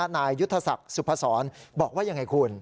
นายยุทธศักดิ์สุพศรบอกว่ายังไงคุณ